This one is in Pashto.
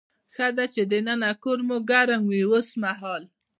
ښه ده چې دننه کور مو ګرم وي اوسمهال.